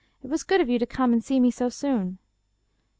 It was good of you to come and see me so soon."